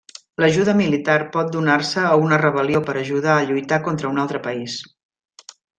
L'ajuda militar pot donar-se a una rebel·lió per ajudar a lluitar contra un altre país.